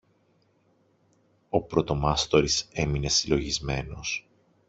Ο πρωτομάστορης έμεινε συλλογισμένος.